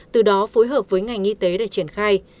từ đó phối hợp với ngành y tế để triển khai